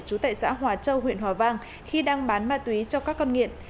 trú tại xã hòa châu huyện hòa vang khi đang bán ma túy cho các con nghiện